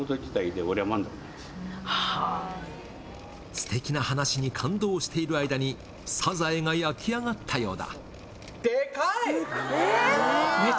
すてきな話に感動している間に、サザエが焼き上がったようだ。